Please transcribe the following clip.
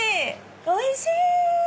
おいしい！